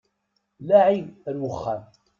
Laɛi ar uxxam!